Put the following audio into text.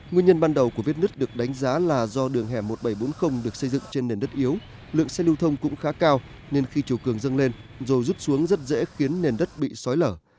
nguyên nhân ban đầu của vết nứt được đánh giá là do đường hẻ một nghìn bảy trăm bốn mươi được xây dựng trên nền đất yếu lượng xe lưu thông cũng khá cao nên khi chiều cường dâng lên rồi rút xuống rất dễ khiến nền đất bị xói lở